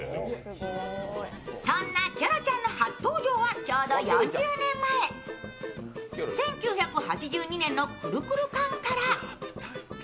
そんなキョロちゃんの初登場はちょうど４０年前１９８２年のくるくる缶から。